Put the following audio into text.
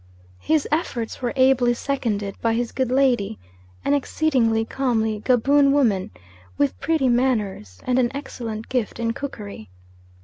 His efforts were ably seconded by his good lady, an exceedingly comely Gaboon woman, with pretty manners, and an excellent gift in cookery.